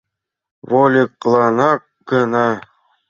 Вольыкланак гына.